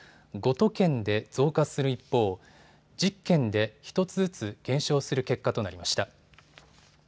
都県で増加する一方、１０県で１つずつ減少する結果となりました。